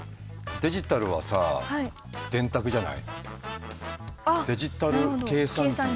デジタルはさ電卓じゃない？